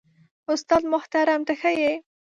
استاد محترم ته ښه يې؟